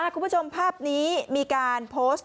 คุณผู้ชมภาพนี้มีการโพสต์